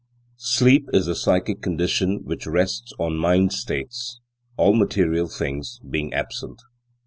Sleep is the psychic condition which rests on mind states, all material things being absent.